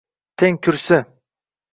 teng kursi